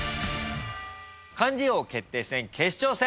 漢字王決定戦決勝戦。